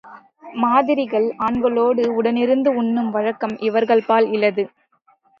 மாதரீகள் ஆண்களோடு உடனிருந்து உண்ணும் வழக்கம் இவர்கள்பால் இலது.